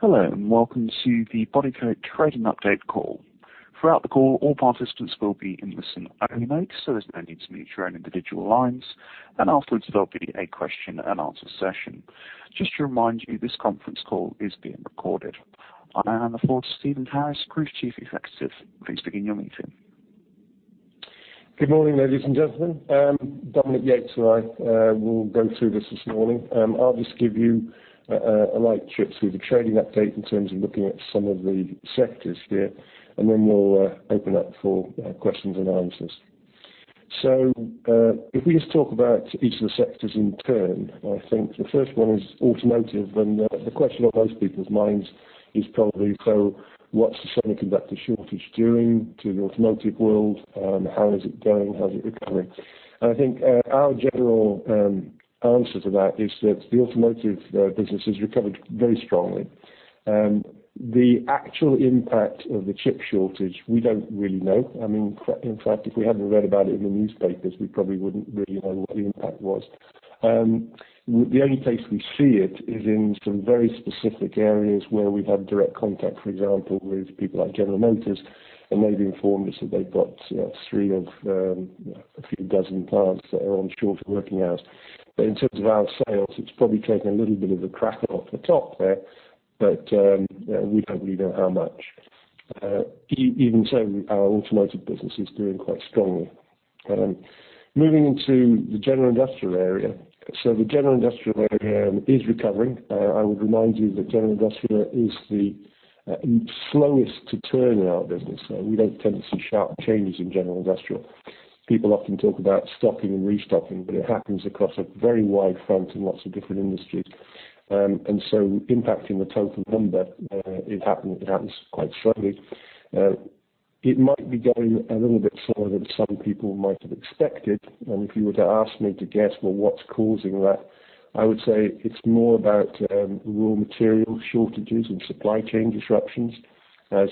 Hello, and welcome to the Bodycote Trading Update call. Throughout the call, all participants will be in listen-only mode, so there's no need to mute your own individual lines, and afterwards, there'll be a question and answer session. Just to remind you, this conference call is being recorded. I now hand the floor to Stephen Harris, Group Chief Executive. Please begin your meeting. Good morning, ladies and gentlemen. DominiqueYates and I will go through this this morning. I'll just give you a light trip through the trading update in terms of looking at some of the sectors here, and then we'll open up for questions and answers. So, if we just talk about each of the sectors in turn, I think the first one is automotive, and the question on most people's minds is probably, so what's the semiconductor shortage doing to the automotive world, and how is it going? How is it recovering? And I think our general answer to that is that the automotive business has recovered very strongly. The actual impact of the chip shortage, we don't really know. I mean, in fact, if we hadn't read about it in the newspapers, we probably wouldn't really know what the impact was. The only place we see it is in some very specific areas where we've had direct contact, for example, with people like General Motors, and they've informed us that they've got three of a few dozen plants that are on short working hours. But in terms of our sales, it's probably taken a little bit of a cracker off the top there, but we don't really know how much. Even so, our automotive business is doing quite strongly. Moving into the general industrial area, so the general industrial area is recovering. I would remind you that general industrial is the slowest to turn in our business, so we don't tend to see sharp changes in general industrial. People often talk about stocking and restocking, but it happens across a very wide front in lots of different industries. And so impacting the total number, it happens quite slowly. It might be going a little bit slower than some people might have expected, and if you were to ask me to guess, well, what's causing that? I would say it's more about raw material shortages and supply chain disruptions as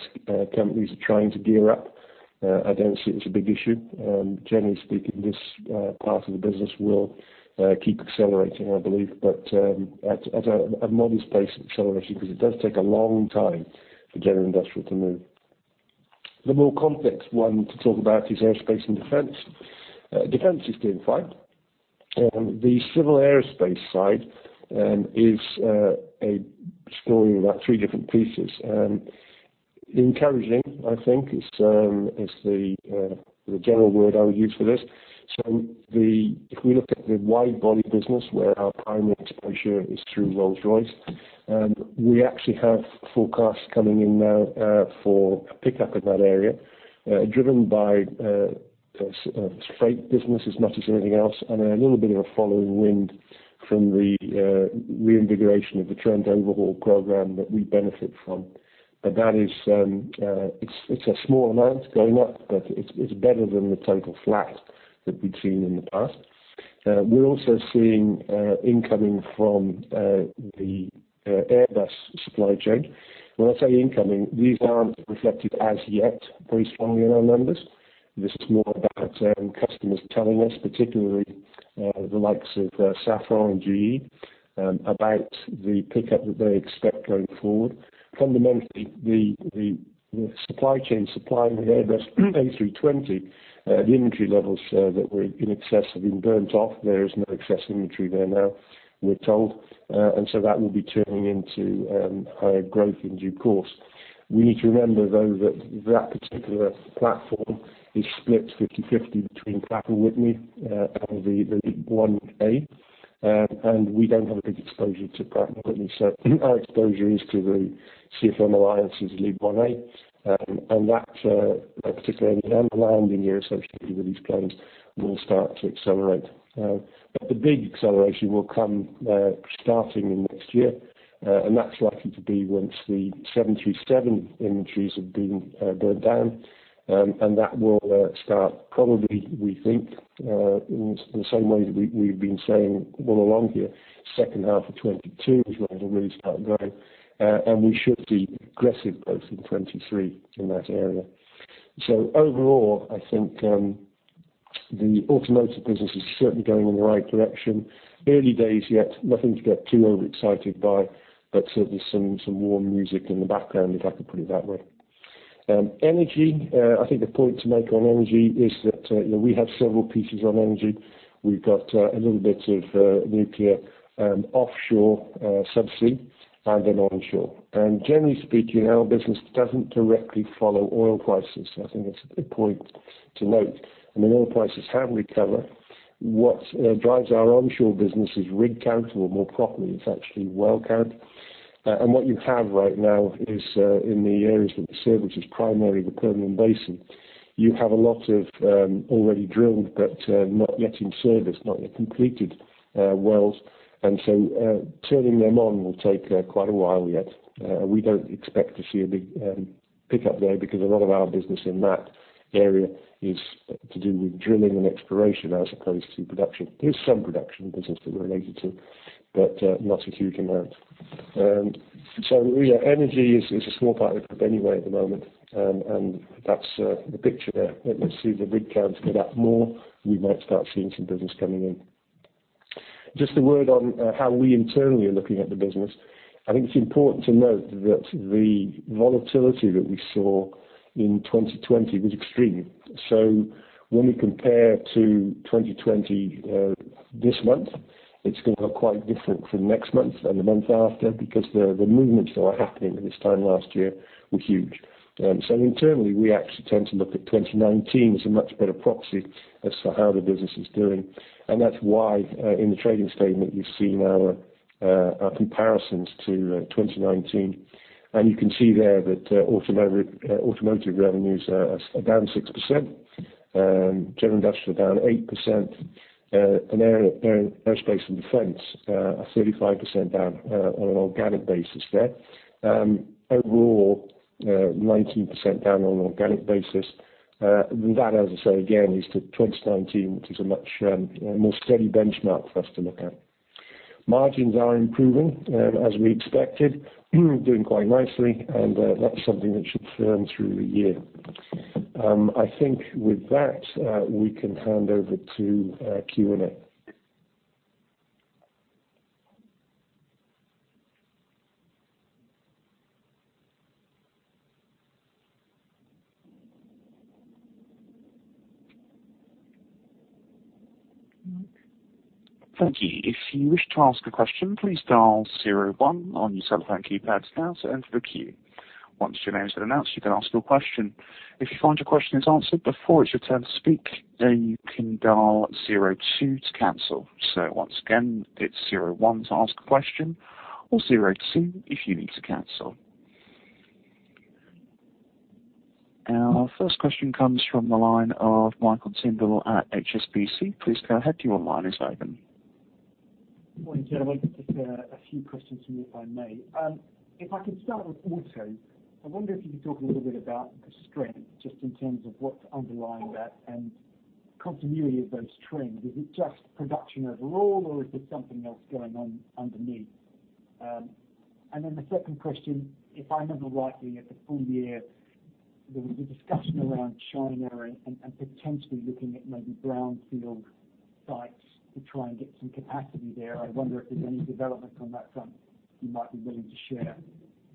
companies are trying to gear up. I don't see it as a big issue. Generally speaking, this part of the business will keep accelerating, I believe, but at a modest pace of acceleration, because it does take a long time for general industrial to move. The more complex one to talk about is aerospace and defense. Defense is doing fine, and the civil aerospace side is a story about three different pieces. Encouraging, I think, is the general word I would use for this. So if we look at the widebody business, where our primary exposure is through Rolls-Royce, we actually have forecasts coming in now for a pickup in that area, driven by freight business as much as anything else, and a little bit of a following wind from the reinvigoration of the Trent overhaul program that we benefit from. But that is, it's a small amount going up, but it's better than the total flat that we've seen in the past. We're also seeing incoming from the Airbus supply chain. When I say incoming, these aren't reflected as yet very strongly in our numbers. This is more about, customers telling us, particularly, the likes of, Safran and GE, about the pickup that they expect going forward. Fundamentally, the supply chain supplying the Airbus A320, the inventory levels, that were in excess have been burnt off. There is no excess inventory there now, we're told, and so that will be turning into, higher growth in due course. We need to remember, though, that that particular platform is split 50/50 between Pratt & Whitney, and the 1A, and we don't have a big exposure to Pratt & Whitney. So our exposure is to the CFM Alliance's LEAP-1A, and that, particularly the landing gear associated with these planes, will start to accelerate. But the big acceleration will come, starting in next year, and that's likely to be once the 737 inventories have been burnt down, and that will start probably, we think, in the same way that we've been saying all along here, second half of 2022 is when it will really start going. And we should see aggressive growth in 2023 in that area. So overall, I think the automotive business is certainly going in the right direction. Early days yet, nothing to get too overexcited by, but certainly some, some more music in the background, if I could put it that way. Energy, I think the point to make on energy is that, you know, we have several pieces on energy. We've got a little bit of nuclear, offshore, subsea, and then onshore. Generally speaking, our business doesn't directly follow oil prices. I think that's a good point to note. I mean, oil prices have recovered. What drives our onshore business is rig count, or more properly, it's actually well count. And what you have right now is, in the areas that we service, which is primarily the Permian Basin, you have a lot of already drilled, but not yet in service, not yet completed wells. And so, turning them on will take quite a while yet. We don't expect to see a big pickup there, because a lot of our business in that area is to do with drilling and exploration, as opposed to production. There's some production business related to, but not a huge amount. So yeah, energy is a small part of it anyway at the moment, and that's the picture there. Let's see the rig count get up more; we might start seeing some business coming in. Just a word on how we internally are looking at the business. I think it's important to note that the volatility that we saw in 2020 was extreme. So when we compare to 2020, this month, it's gonna look quite different from next month and the month after, because the movements that were happening at this time last year were huge. So internally, we actually tend to look at 2019 as a much better proxy as to how the business is doing, and that's why, in the trading statement, you've seen our comparisons to 2019. You can see there that automotive revenues are down 6%, general industrial down 8%, and aerospace and defense are 35% down, on an organic basis there. Overall, 19% down on an organic basis. That, as I say again, is to 2019, which is a much more steady benchmark for us to look at. Margins are improving, as we expected, doing quite nicely, and that's something that should firm through the year. I think with that, we can hand over to Q&A. Thank you. If you wish to ask a question, please dial zero one on your cellphone keypads now to enter the queue. Once your name has been announced, you can ask your question. If you find your question is answered before it's your turn to speak, then you can dial zero two to cancel. Once again, it's zero one to ask a question or zero two if you need to cancel. Our first question comes from the line of Mike Tyndall at HSBC. Please go ahead, your line is open. Good morning, gentlemen. Just a few questions from me, if I may. If I could start with auto, I wonder if you could talk a little bit about the strength, just in terms of what's underlying that and continuity of those trends. Is it just production overall, or is there something else going on underneath? And then the second question, if I remember rightly at the full year, there was a discussion around China and potentially looking at maybe Brownfield sites to try and get some capacity there. I wonder if there's any development on that front you might be willing to share.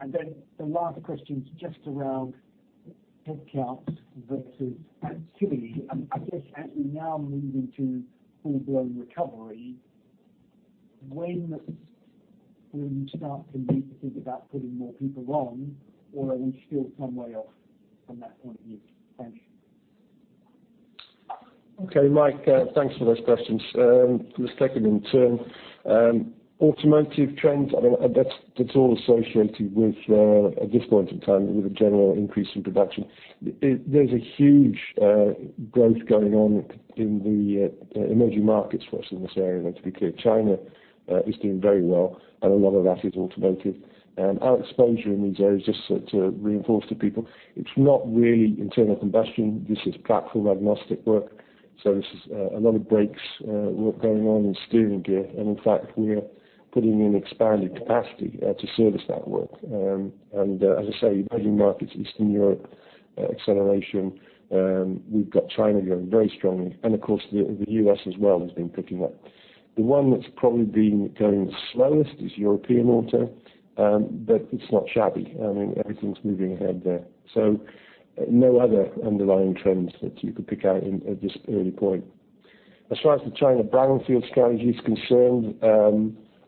And then the last question is just around headcounts versus activity. I guess as we now move into full-blown recovery, when will you start to think about putting more people on, or are we still some way off from that point of view? Thank you. Okay, Mike, thanks for those questions. Just taking them in turn. Automotive trends, I mean, that's, that's all associated with, at this point in time, with a general increase in production. There's a huge growth going on in the emerging markets for us in this area. And to be clear, China is doing very well, and a lot of that is automotive. Our exposure in these areas, just to reinforce to people, it's not really internal combustion. This is platform agnostic work, so this is a lot of brakes work going on in steering gear, and in fact, we're putting in expanded capacity to service that work. And, as I say, emerging markets, Eastern Europe acceleration, we've got China going very strongly, and of course, the U.S. as well has been picking up. The one that's probably been going the slowest is European auto, but it's not shabby. I mean, everything's moving ahead there. So no other underlying trends that you could pick out in at this early point. As far as the China brownfield strategy is concerned,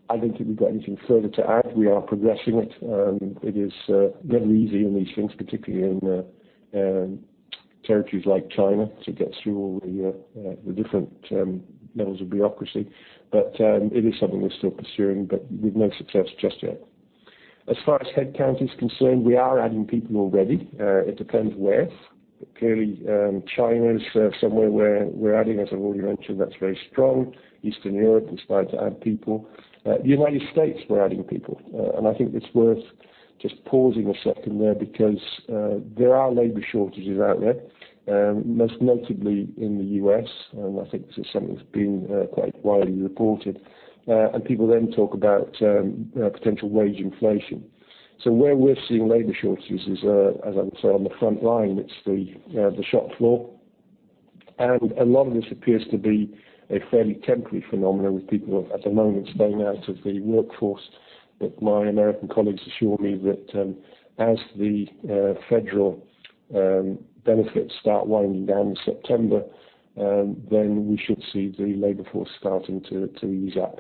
I don't think we've got anything further to add. We are progressing it, and it is never easy in these things, particularly in territories like China, to get through all the different levels of bureaucracy. But it is something we're still pursuing, but with no success just yet. As far as headcount is concerned, we are adding people already. It depends where. Clearly, China is somewhere where we're adding, as I've already mentioned, that's very strong. Eastern Europe, we've started to add people. United States, we're adding people, and I think it's worth just pausing a second there because there are labor shortages out there, most notably in the U.S., and I think this is something that's been quite widely reported. And people then talk about potential wage inflation. So where we're seeing labor shortages is, as I would say, on the front line, it's the shop floor. And a lot of this appears to be a fairly temporary phenomenon, with people at the moment staying out of the workforce, but my American colleagues assure me that, as the federal benefits start winding down in September, then we should see the labor force starting to ease up.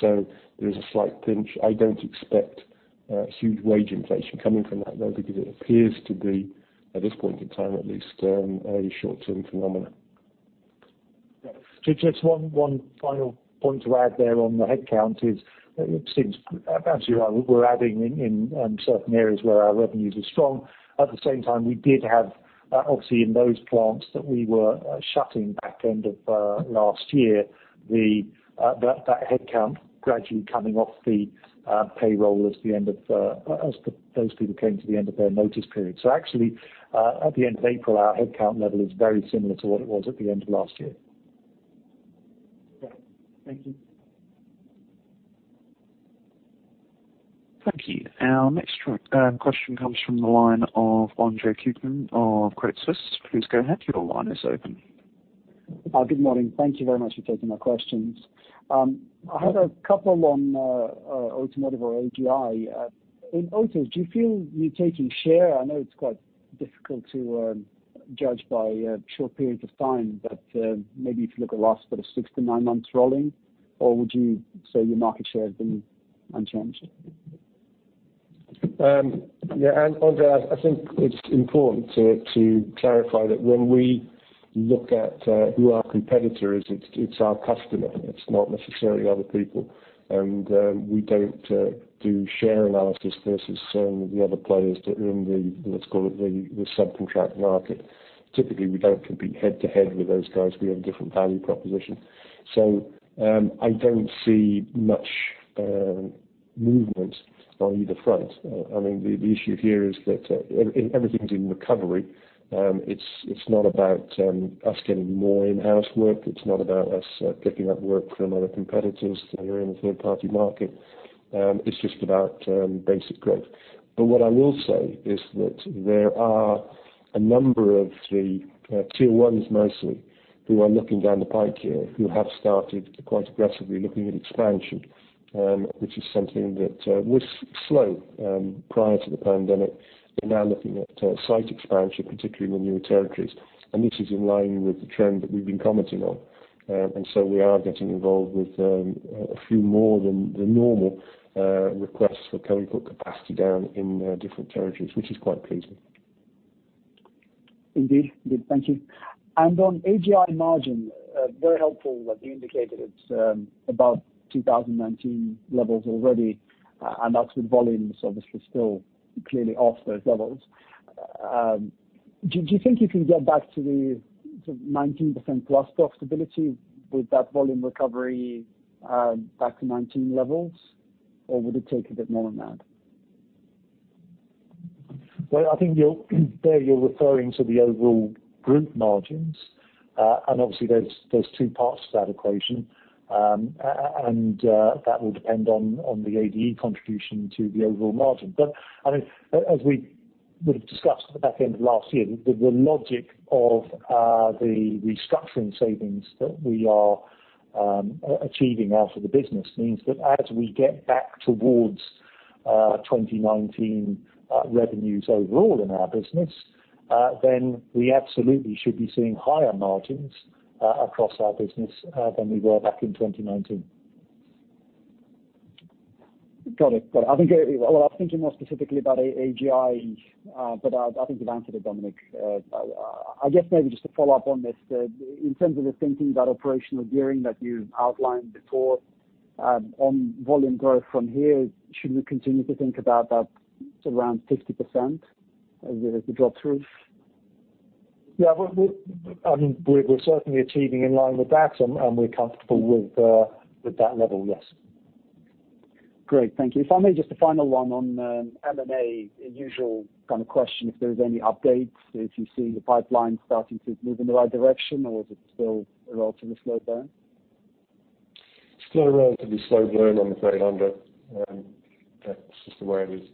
So there is a slight pinch. I don't expect huge wage inflation coming from that, though, because it appears to be, at this point in time at least, a short-term phenomenon. Just one final point to add there on the headcount is, it seems absolutely right. We're adding in certain areas where our revenues are strong. At the same time, we did have, obviously, in those plants that we were shutting back end of last year, that headcount gradually coming off the payroll as those people came to the end of their notice period. So actually, at the end of April, our headcount level is very similar to what it was at the end of last year. Yeah. Thank you. ... Thank you. Our next question comes from the line of Andre Kukhnin of Credit Suisse. Please go ahead, your line is open. Good morning. Thank you very much for taking my questions. I have a couple on automotive or AGI. In autos, do you feel you're taking share? I know it's quite difficult to judge by short periods of time, but maybe if you look at the last sort of 6-9 months rolling, or would you say your market share has been unchanged? Yeah, and Andre, I think it's important to clarify that when we look at who our competitor is, it's our customer. It's not necessarily other people. We don't do share analysis versus some of the other players that are in the, let's call it, the subcontract market. Typically, we don't compete head-to-head with those guys. We have a different value proposition. So, I don't see much movement on either front. I mean, the issue here is that everything's in recovery. It's not about us getting more in-house work. It's not about us picking up work from other competitors who are in the third-party market. It's just about basic growth. But what I will say is that there are a number of the Tier 1s mostly, who are looking down the pike here, who have started quite aggressively looking at expansion, which is something that was slow prior to the pandemic. But now looking at site expansion, particularly in the newer territories, and this is in line with the trend that we've been commenting on. And so we are getting involved with a few more than the normal requests for can we put capacity down in different territories, which is quite pleasing. Indeed. Good, thank you. And on AGI margin, very helpful that you indicated it's above 2019 levels already, and that's with volumes obviously still clearly off those levels. Do you think you can get back to the sort of 19%+ profitability with that volume recovery, back to 2019 levels, or would it take a bit more than that? Well, I think you're there you're referring to the overall group margins, and obviously there's two parts to that equation. And that will depend on the ADE contribution to the overall margin. But, I mean, as we would have discussed at the back end of last year, the logic of the restructuring savings that we are achieving out of the business means that as we get back towards 2019 revenues overall in our business, then we absolutely should be seeing higher margins across our business than we were back in 2019. Got it. Got it. I think, well, I was thinking more specifically about A-AGI, but I, I think you've answered it, Dominic. I guess maybe just to follow up on this, in terms of the thinking about operational gearing that you outlined before, on volume growth from here, should we continue to think about that around 50% as the drop-through? Yeah, I mean, we're certainly achieving in line with that, and we're comfortable with that level, yes. Great, thank you. If I may, just a final one on, M&A. The usual kind of question, if there's any updates, if you see the pipeline starting to move in the right direction, or is it still a relatively slow burn? Still a relatively slow burn on the M&A, that's just the way it is.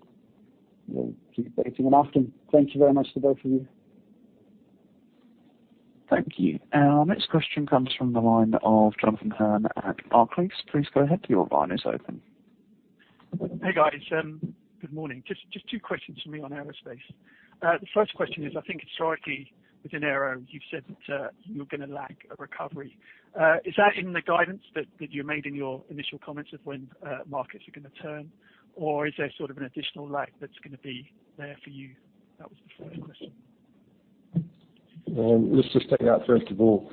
We'll keep waiting and asking. Thank you very much to both of you. Thank you. Our next question comes from the line of Jonathan Hurn at Barclays. Please go ahead, your line is open. Hey, guys, good morning. Just two questions from me on aerospace. The first question is, I think historically with aero, you've said that you're going to lag a recovery. Is that in the guidance that you made in your initial comments of when markets are going to turn? Or is there sort of an additional lag that's going to be there for you? That was the first question. Let's just take that first of all.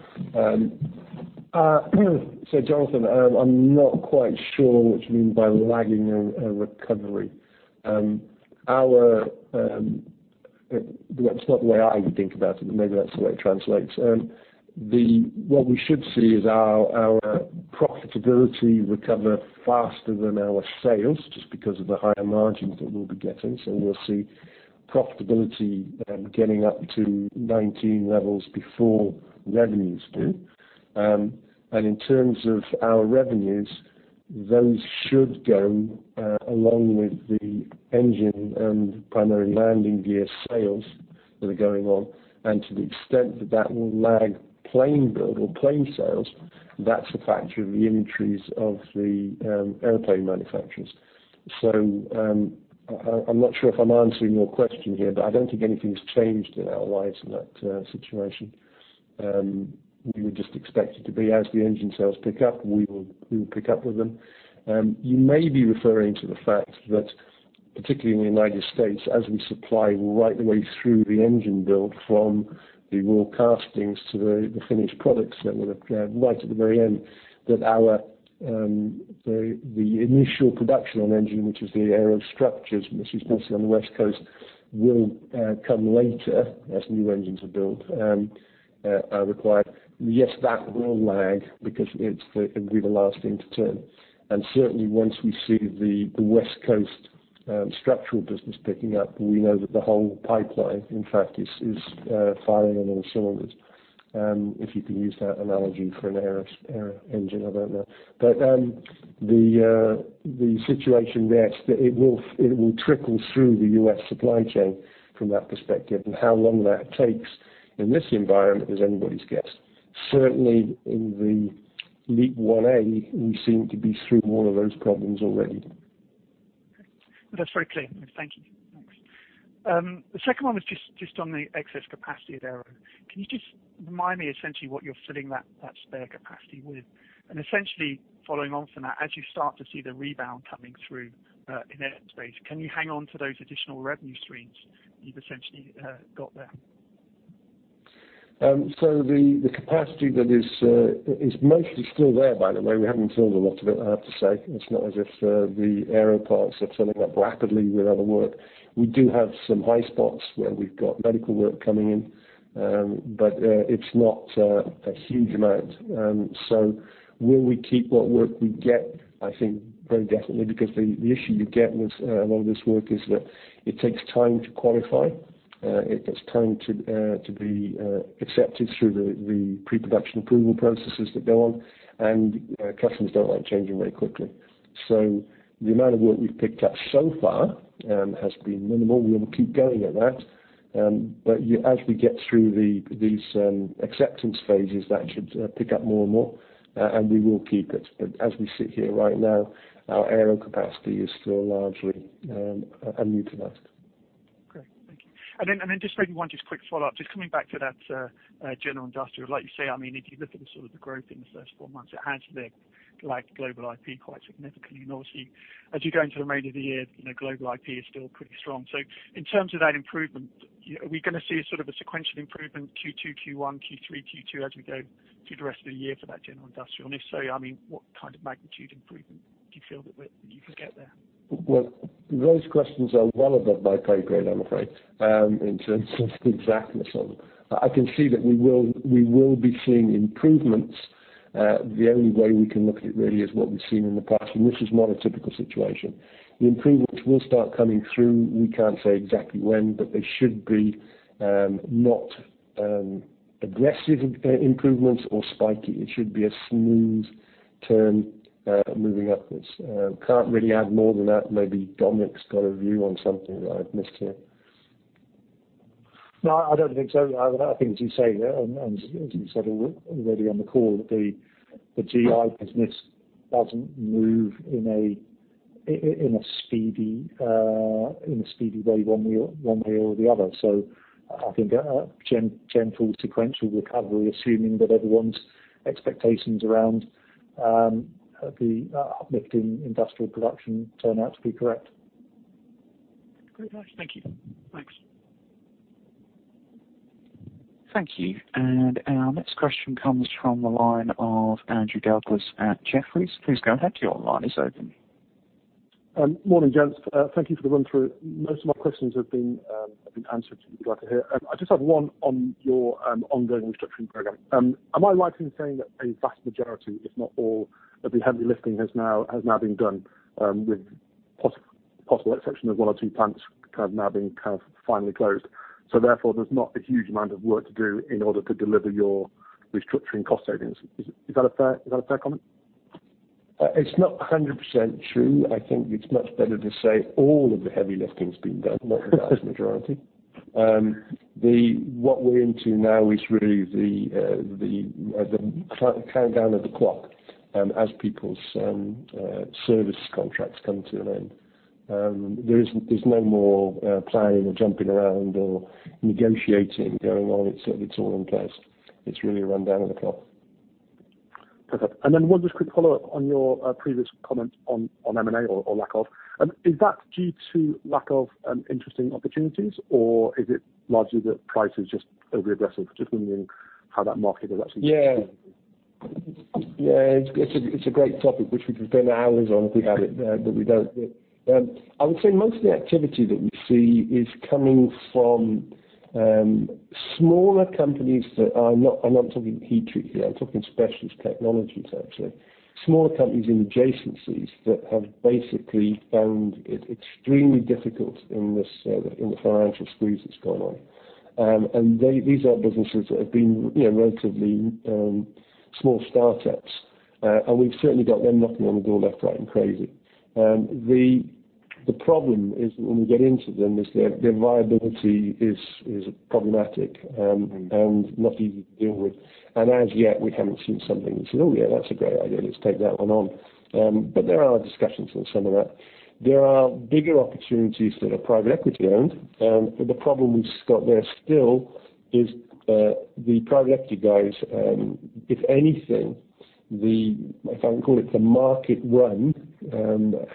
So Jonathan, I'm not quite sure what you mean by lagging a recovery. Well, it's not the way I would think about it, but maybe that's the way it translates. What we should see is our profitability recover faster than our sales, just because of the higher margins that we'll be getting. So we'll see profitability getting up to 19 levels before revenues do. And in terms of our revenues, those should go along with the engine and primary landing gear sales that are going on. And to the extent that that will lag plane build or plane sales, that's a factor of the inventories of the airplane manufacturers. So, I'm not sure if I'm answering your question here, but I don't think anything's changed in our lives in that situation. We would just expect it to be as the engine sales pick up, we will pick up with them. You may be referring to the fact that, particularly in the United States, as we supply right the way through the engine build, from the raw castings to the finished products that would have right at the very end, that our initial production on engine, which is the aero structures, which is mostly on the West Coast, will come later as new engines are built, are required. Yes, that will lag because it's, it'll be the last thing to turn. And certainly once we see the West Coast structural business picking up, we know that the whole pipeline, in fact, is firing on all cylinders... if you can use that analogy for an aero engine, I don't know. But the situation there is that it will trickle through the U.S. supply chain from that perspective, and how long that takes in this environment is anybody's guess. Certainly, in the LEAP-1A, we seem to be through all of those problems already. That's very clear. Thank you. Thanks. The second one was just, just on the excess capacity of aero. Can you just remind me essentially what you're filling that, that spare capacity with? And essentially, following on from that, as you start to see the rebound coming through in the aerospace, can you hang on to those additional revenue streams you've essentially got there? So the capacity is mostly still there, by the way. We haven't filled a lot of it, I have to say. It's not as if the aero parts are filling up rapidly with other work. We do have some high spots where we've got medical work coming in, but it's not a huge amount. So will we keep what work we get? I think very definitely, because the issue you get with a lot of this work is that it takes time to qualify, it takes time to be accepted through the pre-production approval processes that go on, and customers don't like changing very quickly. So the amount of work we've picked up so far has been minimal. We will keep going at that, but as we get through these acceptance phases, that should pick up more and more, and we will keep it. But as we sit here right now, our aero capacity is still largely unutilized. Great, thank you. And then, and then just maybe one just quick follow-up, just coming back to that, general industrial. Like you say, I mean, if you look at the sort of the growth in the first four months, it has looked like global IP quite significantly. And obviously, as you go into the remainder of the year, you know, global IP is still pretty strong. So in terms of that improvement, are we gonna see sort of a sequential improvement, Q2, Q1, Q3, Q2, as we go through the rest of the year for that general industrial? And if so, I mean, what kind of magnitude improvement do you feel that you could get there? Well, those questions are well above my pay grade, I'm afraid, in terms of the exactness of them. I can see that we will, we will be seeing improvements. The only way we can look at it really is what we've seen in the past, and this is not a typical situation. The improvements will start coming through. We can't say exactly when, but they should be not aggressive improvements or spiky. It should be a smooth turn moving upwards. Can't really add more than that. Maybe Dominic's got a view on something that I've missed here. No, I don't think so. I think, as you say, and as you said already on the call, the AGI business doesn't move in a speedy way, one way or the other. So I think a gentle sequential recovery, assuming that everyone's expectations around the uplift in industrial production turn out to be correct. Great. Thank you. Thanks. Thank you. And our next question comes from the line of Andrew Douglas at Jefferies. Please go ahead, your line is open. Morning, gents. Thank you for the run-through. Most of my questions have been answered. Would like to hear. I just have one on your ongoing restructuring program. Am I right in saying that a vast majority, if not all, of the heavy lifting has now been done, with possible exception of one or two plants kind of now being kind of finally closed, so therefore there's not a huge amount of work to do in order to deliver your restructuring cost savings? Is that a fair comment? It's not 100% true. I think it's much better to say all of the heavy lifting's been done, not the vast majority. What we're into now is really the countdown of the clock as people's service contracts come to an end. There's no more playing or jumping around or negotiating going on. It's all in place. It's really a rundown on the clock. Perfect. And then one just quick follow-up on your previous comment on M&A or lack of. Is that due to lack of interesting opportunities, or is it largely that price is just overaggressive, just wondering how that market has actually- Yeah. Yeah, it's a great topic, which we could spend hours on if we had it, but we don't. I would say most of the activity that we see is coming from smaller companies that are not... I'm not talking heat treat here, I'm talking specialist technologies, actually. Smaller companies in adjacencies that have basically found it extremely difficult in this, in the financial squeeze that's gone on. And these are businesses that have been, you know, relatively, small startups, and we've certainly got them knocking on the door left, right, and crazy. The problem is when we get into them is their viability is problematic, and not easy to deal with. And as yet, we haven't seen something that's said, "Oh, yeah, that's a great idea. Let's take that one on." But there are discussions on some of that. There are bigger opportunities that are private equity owned, but the problem we've got there still is, the private equity guys, if anything, the, if I can call it, the market run,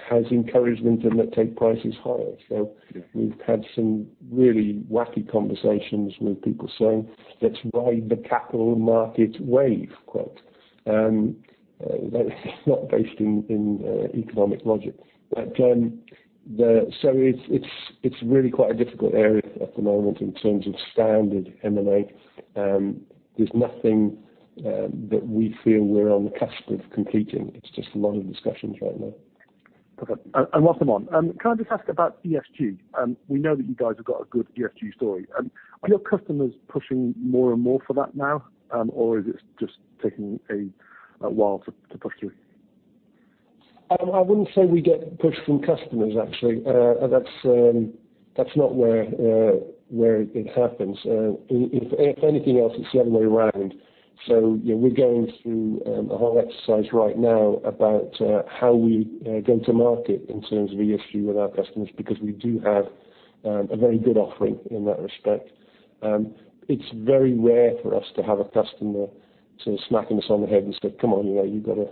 has encouraged them to take prices higher. So we've had some really wacky conversations with people saying, "Let's ride the capital market wave," quote. That is not based in, in, economic logic. But, so it's, it's, it's really quite a difficult area at the moment in terms of standard M&A. There's nothing, that we feel we're on the cusp of completing. It's just a lot of discussions right now. Okay, and whilst I'm on, can I just ask about ESG? We know that you guys have got a good ESG story. Are your customers pushing more and more for that now, or is it just taking a while to push through? I wouldn't say we get pushed from customers actually. That's not where it happens. If anything, it's the other way around. So, you know, we're going through a whole exercise right now about how we go to market in terms of ESG with our customers, because we do have a very good offering in that respect. It's very rare for us to have a customer sort of smacking us on the head and say, "Come on, you know, you've gotta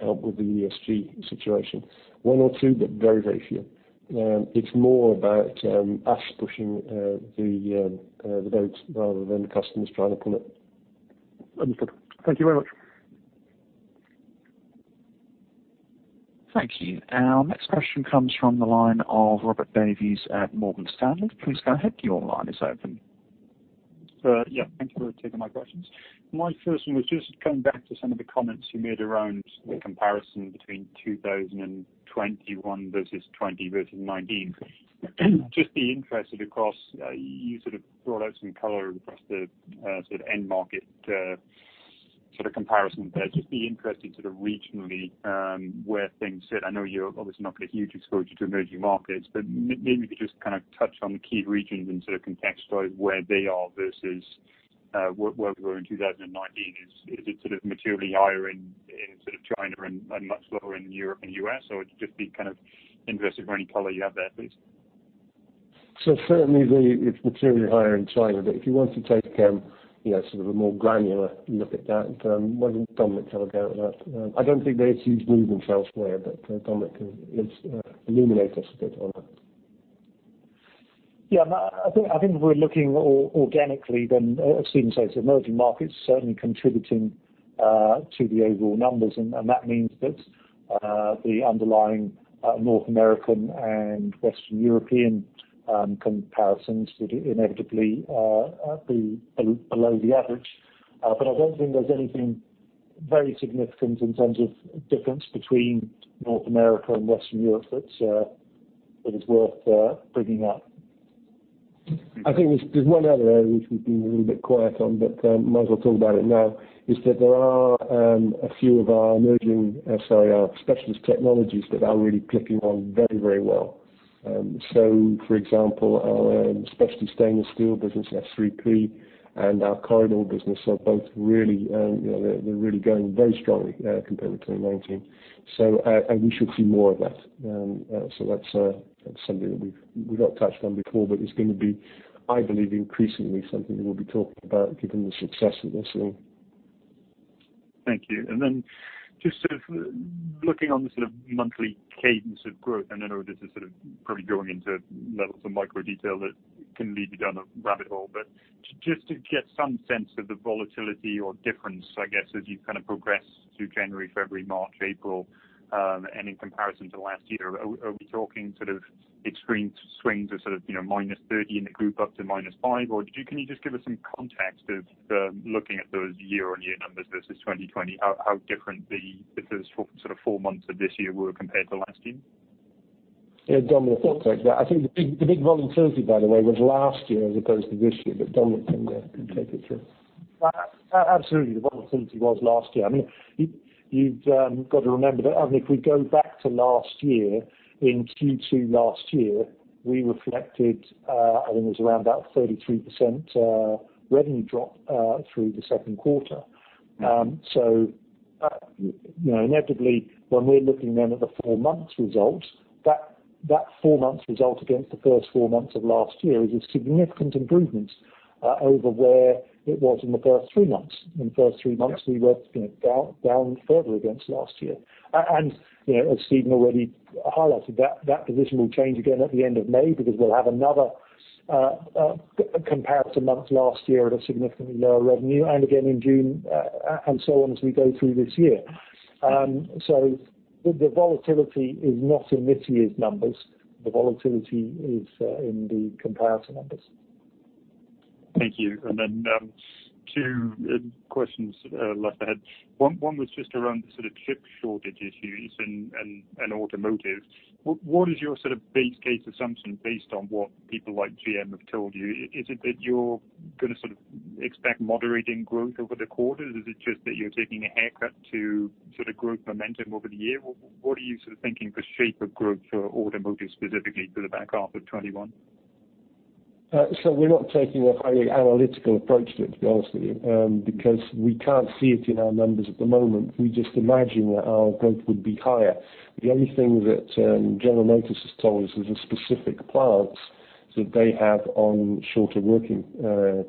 help with the ESG situation." One or two, but very, very few. It's more about us pushing the boat rather than the customers trying to pull it. Understood. Thank you very much. Thank you. Our next question comes from the line of Robert Davies at Morgan Stanley. Please go ahead, your line is open. Yeah, thank you for taking my questions. My first one was just coming back to some of the comments you made around the comparison between 2021 versus 2020 versus 2019. Just be interested across, you sort of brought out some color across the sort of end market sort of comparison there. Just be interested sort of regionally, where things sit. I know you're obviously not got a huge exposure to emerging markets, but maybe just kind of touch on the key regions and sort of contextualize where they are versus where we were in 2019. Is it sort of materially higher in sort of China and much lower in Europe and US, or just be kind of interested for any color you have there, please. So certainly it's materially higher in China, but if you want to take, you know, sort of a more granular look at that, why don't Dominic have a go at that? I don't think there's huge movement elsewhere, but Dominic can illuminate us a bit on that. Yeah, no, I think, I think if we're looking organically, then, as Stephen says, emerging markets certainly contributing to the overall numbers, and that means that the underlying North American and Western European comparisons would inevitably be below the average. But I don't think there's anything very significant in terms of difference between North America and Western Europe that's that is worth bringing up. I think there's one other area which we've been a little bit quiet on, but might as well talk about it now, is that there are a few of our emerging, sorry, our specialist technologies that are really clicking on very, very well. So for example, our specialty stainless steel business, S3P, and our Corr-I-Dur business are both really, you know, they're really going very strongly compared to 2019. So and we should see more of that. So that's something that we've not touched on before, but it's gonna be, I believe, increasingly something that we'll be talking about given the success of this year. Thank you. Then just sort of looking on the sort of monthly cadence of growth, and I know this is sort of probably going into levels of micro detail that can lead you down a rabbit hole, but just to get some sense of the volatility or difference, I guess, as you kind of progress through January, February, March, April, and in comparison to last year, are we talking sort of extreme swings of sort of, you know, minus 30 in the group up to minus 5? Or do you can you just give us some context of the, looking at those year-on-year numbers versus 2020, how different the sort of four months of this year were compared to last year? Yeah, Dominic, want to take that. I think the big volatility, by the way, was last year as opposed to this year, but Dominic can take it through. Absolutely, the volatility was last year. I mean, you've got to remember that, I mean, if we go back to last year, in Q2 last year, we reflected, I think it was around about 33% revenue drop through the second quarter. So, you know, inevitably, when we're looking then at the four months result, that four months result against the first four months of last year is a significant improvement over where it was in the first three months. In the first three months, we were, you know, down further against last year. And, you know, as Stephen already highlighted, that position will change again at the end of May because we'll have another comparative month to last year at a significantly lower revenue, and again in June, and so on as we go through this year. So the volatility is not in this year's numbers, the volatility is in the comparative numbers. Thank you. And then, 2 questions left ahead. One was just around the sort of chip shortage issues and automotive. What is your sort of base case assumption based on what people like GM have told you? Is it that you're gonna sort of expect moderating growth over the quarters? Is it just that you're taking a haircut to sort of growth momentum over the year? What are you sort of thinking the shape of growth for automotive, specifically for the back half of 2021? So we're not taking a highly analytical approach to it, to be honest with you, because we can't see it in our numbers at the moment. We just imagine that our growth would be higher. The only thing that General Motors has told us is the specific plants that they have on shorter working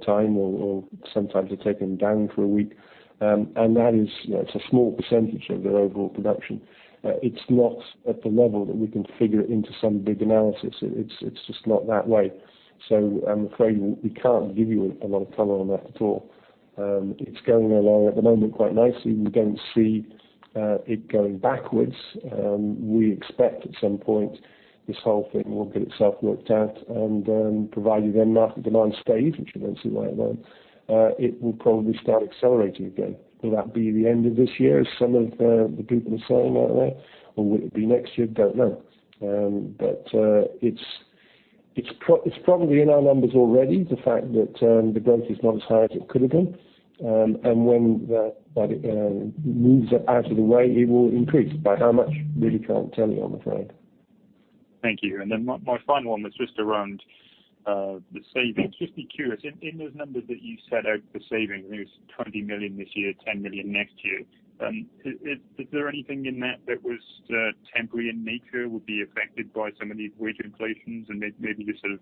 time or sometimes they're taking down for a week, and that is, you know, it's a small percentage of their overall production. It's not at the level that we can figure it into some big analysis. It's just not that way. So I'm afraid we can't give you a lot of color on that at all. It's going along at the moment quite nicely. We don't see it going backwards. We expect at some point this whole thing will get itself worked out, and, provided the market demand stays, which we don't see why not, it will probably start accelerating again. Will that be the end of this year, as some of the people are saying out there? Or will it be next year? Don't know. But, it's probably in our numbers already, the fact that, the growth is not as high as it could have been. And when that moves it out of the way, it will increase. By how much? Really can't tell you, I'm afraid. Thank you. And then my final one was just around the savings. Just be curious, in those numbers that you set out for savings, I think it's 20 million this year, 10 million next year, is there anything in that that was temporary in nature, would be affected by some of these wage inflations, and maybe just sort of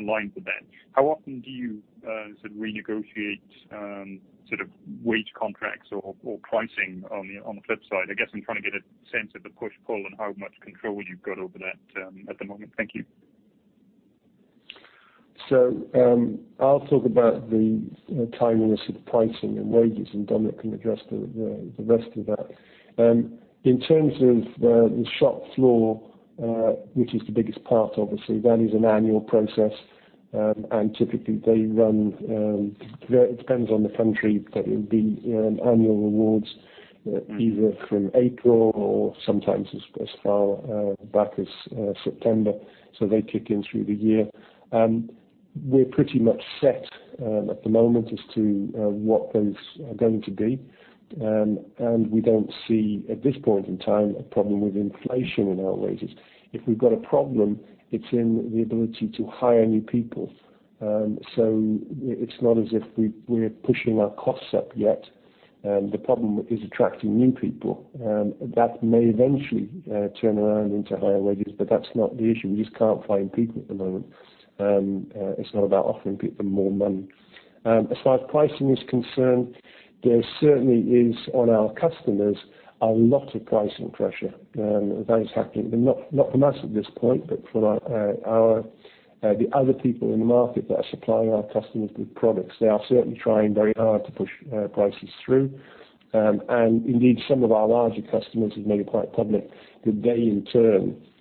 align with that? How often do you sort of renegotiate sort of wage contracts or pricing on the flip side? I guess I'm trying to get a sense of the push-pull and how much control you've got over that at the moment. Thank you. So, I'll talk about the timeliness of the pricing and wages, and Dominic can address the rest of that. In terms of the shop floor, which is the biggest part, obviously, that is an annual process. And typically, they run it depends on the country, but it would be annual awards, either from April or sometimes as far back as September. So they kick in through the year. We're pretty much set at the moment as to what those are going to be. And we don't see, at this point in time, a problem with inflation in our wages. If we've got a problem, it's in the ability to hire new people. So it's not as if we're pushing our costs up yet. The problem is attracting new people. That may eventually turn around into higher wages, but that's not the issue. We just can't find people at the moment. It's not about offering people more money. As far as pricing is concerned, there certainly is, on our customers, a lot of pricing pressure that is happening. But not for us at this point, but for the other people in the market that are supplying our customers with products. They are certainly trying very hard to push prices through. And indeed, some of our larger customers have made it quite public that they, in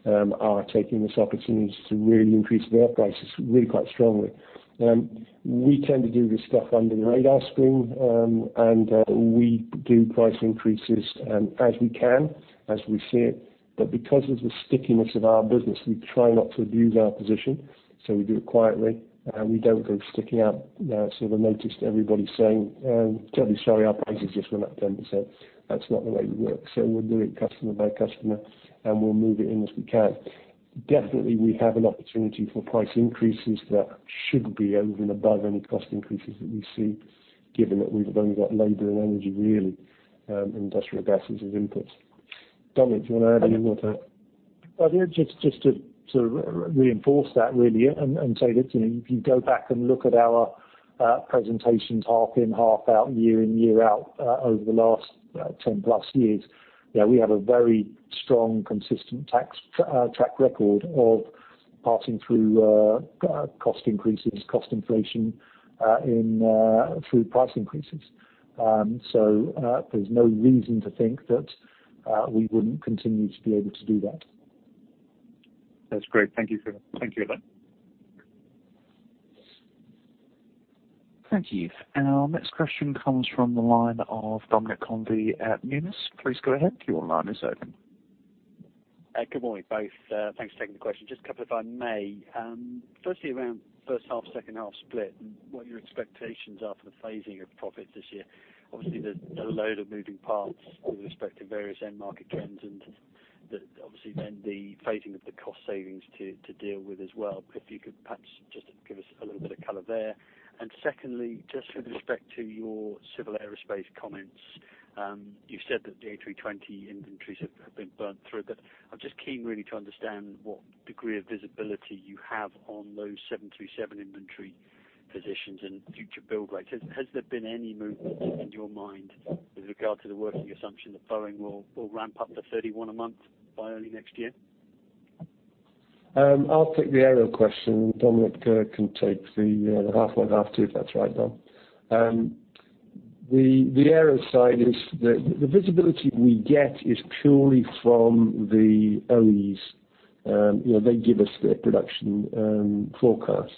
turn, are taking this opportunity to really increase their prices really quite strongly. We tend to do this stuff under the radar screen, and we do price increases as we can, as we see it. But because of the stickiness of our business, we try not to abuse our position, so we do it quietly. We don't go sticking out sort of a notice to everybody saying, "Terribly sorry, our prices just went up 10%." That's not the way we work, so we'll do it customer by customer, and we'll move it in as we can. Definitely, we have an opportunity for price increases that should be over and above any cost increases that we see, given that we've only got labor and energy, really, industrial gases as inputs. Dominic, do you want to add anything more to that? I think just to reinforce that, really, and say that, you know, if you go back and look at our presentations half in, half out, year in, year out, over the last 10+ years, yeah, we have a very strong, consistent track record of passing through cost increases, cost inflation in through price increases. So, there's no reason to think that we wouldn't continue to be able to do that. That's great. Thank you for... Thank you, everyone. Thank you. Our next question comes from the line of Dominic Convey at Numis. Please go ahead. Your line is open. Good morning, both. Thanks for taking the question. Just a couple, if I may. Firstly, around first half, second half split, and what your expectations are for the phasing of profits this year. Obviously, there's a load of moving parts with respect to various end market trends, and obviously, then the phasing of the cost savings to deal with as well. But if you could perhaps just give us a little bit of color there. And secondly, just with respect to your civil aerospace comments, you've said that the A320 inventories have been burnt through, but I'm just keen really to understand what degree of visibility you have on those 737 inventory positions and future build rates. Has there been any movement in your mind with regard to the working assumption that Boeing will ramp up to 31 a month by early next year? I'll take the aero question. Dominic, can take the halfway and half two, if that's right, Dom. The aero side is the visibility we get is purely from the OEs. You know, they give us their production forecasts.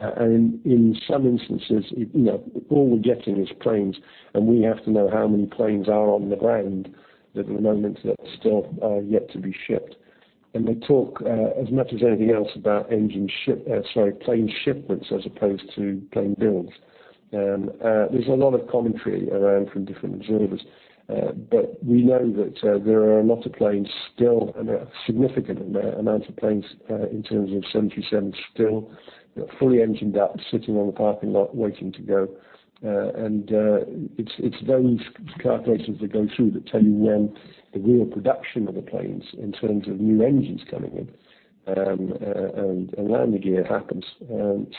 And in some instances, you know, all we're getting is planes, and we have to know how many planes are on the ground at the moment that still are yet to be shipped. And they talk as much as anything else about engine ship, sorry, plane shipments as opposed to plane builds. There's a lot of commentary around from different observers, but we know that there are a lot of planes still, and a significant amount of planes, in terms of 737s, still fully engined up, sitting on the parking lot, waiting to go. And it's those calculations that go through that tell you when the real production of the planes, in terms of new engines coming in, and landing gear happens.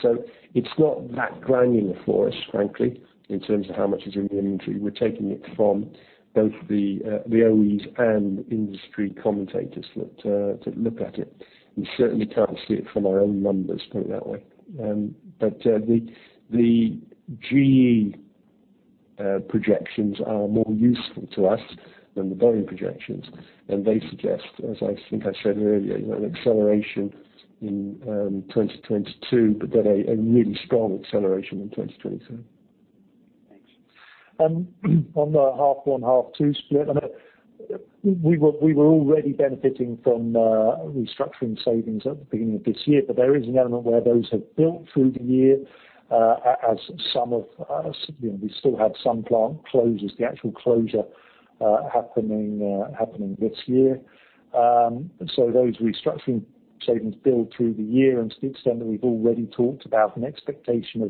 So it's not that granular for us, frankly, in terms of how much is in the inventory. We're taking it from both the OEs and industry commentators that look at it. We certainly can't see it from our own numbers, put it that way. But the GE projections are more useful to us than the Boeing projections. They suggest, as I think I said earlier, an acceleration in 2022, but then a really strong acceleration in 2023. On the H1, H2 split, I know we were already benefiting from restructuring savings at the beginning of this year, but there is an element where those have built through the year, as some of us, you know, we still have some plant closures, the actual closure happening this year. So those restructuring savings build through the year. And to the extent that we've already talked about an expectation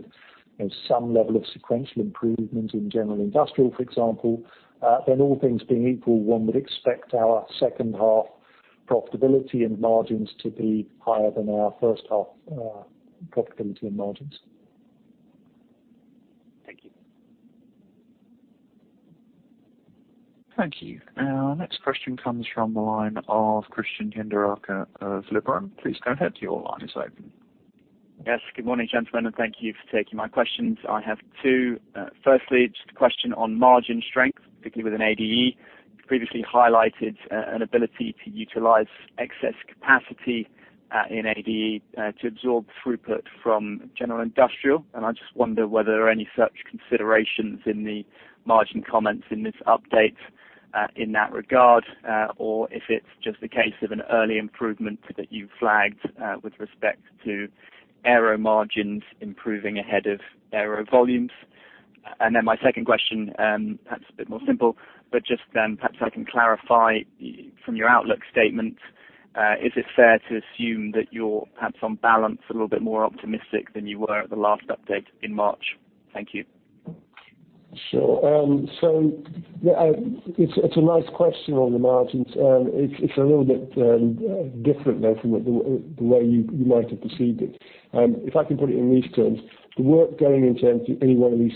of some level of sequential improvement in general industrial, for example, then all things being equal, one would expect our second half profitability and margins to be higher than our first half profitability and margins. Thank you. Thank you. Our next question comes from the line of Christian Hinderaker of Liberum. Please go ahead, your line is open. Yes, good morning, gentlemen, and thank you for taking my questions. I have two. Firstly, just a question on margin strength, particularly within ADE. You previously highlighted an ability to utilize excess capacity in ADE to absorb throughput from general industrial. And I just wonder whether there are any such considerations in the margin comments in this update in that regard or if it's just a case of an early improvement that you flagged with respect to aero margins improving ahead of aero volumes. And then my second question, perhaps a bit more simple, but just then perhaps I can clarify from your outlook statement, is it fair to assume that you're perhaps on balance a little bit more optimistic than you were at the last update in March? Thank you. Sure. So, yeah, it's a nice question on the margins, and it's a little bit different though, from the way you might have perceived it. If I can put it in these terms, the work going into any one of these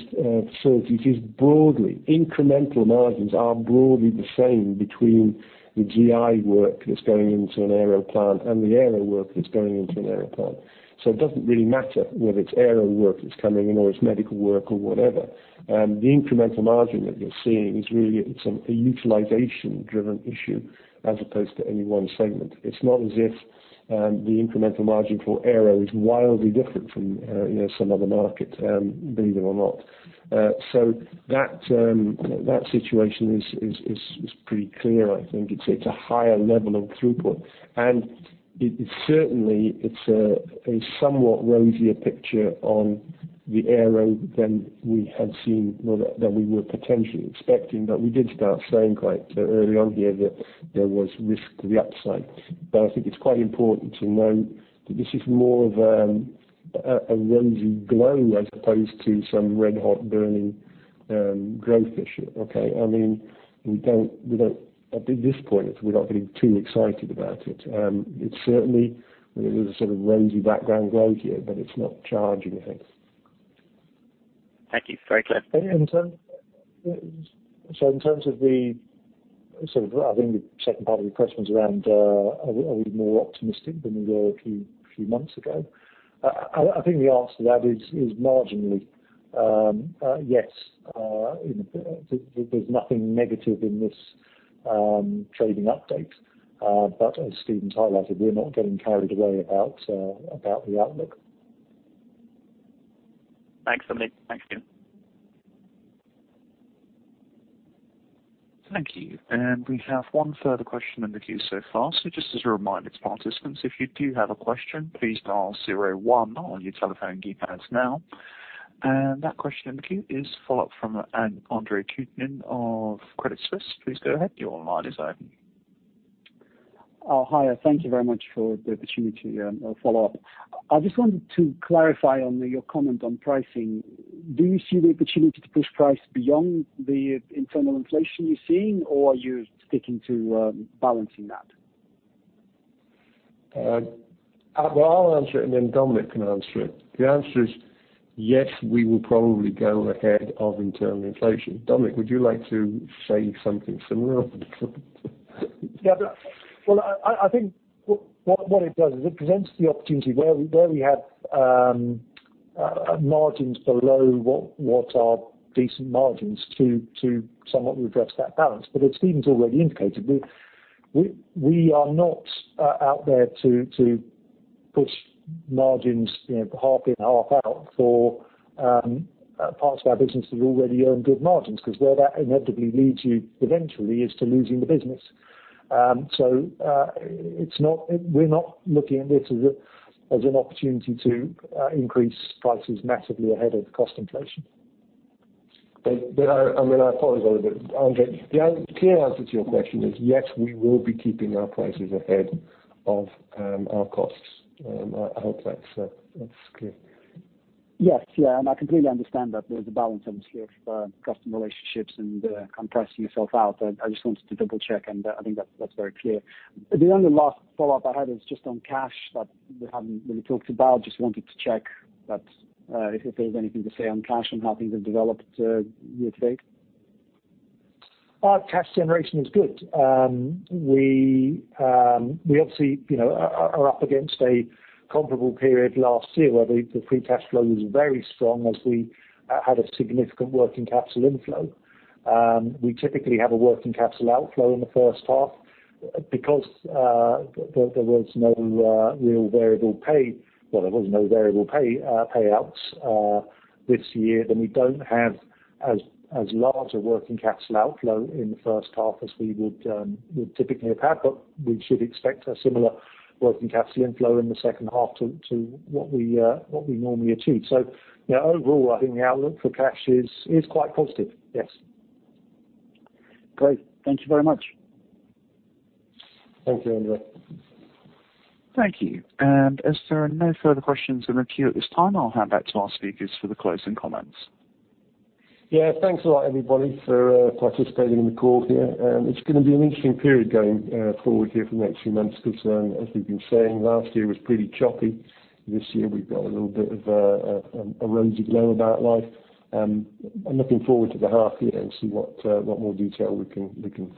facilities is broadly... Incremental margins are broadly the same between the GI work that's going into an aero plant and the aero work that's going into an aero plant. So it doesn't really matter whether it's aero work that's coming in or it's medical work or whatever. The incremental margin that you're seeing is really a utilization-driven issue as opposed to any one segment. It's not as if the incremental margin for aero is wildly different from you know, some other market, believe it or not. So that situation is pretty clear. I think it's a higher level of throughput, and it certainly is a somewhat rosier picture on the aero than we had seen or that we were potentially expecting. But we did start saying quite early on here that there was risk to the upside. But I think it's quite important to note that this is more of a rosy glow as opposed to some red-hot burning growth issue, okay? I mean, we don't at this point, we're not getting too excited about it. It's certainly there is a sort of rosy background glow here, but it's not charging anything. Thank you. Very clear. So in terms of the sort of, I think the second part of your question was around, are we more optimistic than we were a few months ago? I think the answer to that is marginally. Yes, you know, there's nothing negative in this trading update. But as Stephen highlighted, we're not getting carried away about the outlook. Thanks, Dominic. Thanks, again. Thank you. And we have one further question in the queue so far. So just as a reminder to participants, if you do have a question, please dial zero one on your telephone keypads now. And that question in the queue is follow-up from Andre Kukhnin of Credit Suisse. Please go ahead. Your line is open. Hi, thank you very much for the opportunity to follow up. I just wanted to clarify on your comment on pricing. Do you see the opportunity to push price beyond the internal inflation you're seeing, or are you sticking to balancing that? I'll answer it, and then Dominic can answer it. The answer is yes, we will probably go ahead of internal inflation. Dominic, would you like to say something similar? Yeah, but... Well, I think what it does is it presents the opportunity where we have margins below what are decent margins to somewhat redress that balance. But as Stephen's already indicated, we are not out there to push margins, you know, half in, half out for parts of our business that already earn good margins, because where that inevitably leads you eventually is to losing the business. So, it's not—We're not looking at this as an opportunity to increase prices massively ahead of cost inflation. But, I mean, I apologize, Andre. The clear answer to your question is, yes, we will be keeping our prices ahead of our costs. I hope that's clear. Yes. Yeah, and I completely understand that there's a balance obviously of customer relationships and compressing yourself out. I just wanted to double-check, and I think that's very clear. The only last follow-up I had is just on cash that we haven't really talked about. Just wanted to check that, if there's anything to say on cash and how things have developed year to date. Our cash generation is good. We obviously, you know, are up against a comparable period last year, where the free cash flow was very strong as we had a significant working capital inflow. We typically have a working capital outflow in the first half. Because there was no real variable pay, well, there was no variable pay payouts this year, then we don't have as large a working capital outflow in the first half as we would typically have had, but we should expect a similar working capital inflow in the second half to what we normally achieve. So, you know, overall, I think the outlook for cash is quite positive. Yes. Great. Thank you very much. Thank you, Andre. Thank you. As there are no further questions in the queue at this time, I'll hand back to our speakers for the closing comments. Yeah, thanks a lot, everybody, for participating in the call here. It's gonna be an interesting period going forward here for the next few months because, as we've been saying, last year was pretty choppy. This year we've got a little bit of a rosy glow about life. I'm looking forward to the half year and see what more detail we can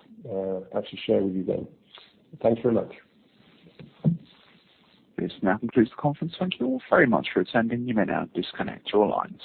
actually share with you then. Thanks very much. This now concludes the conference. Thank you all very much for attending. You may now disconnect your lines.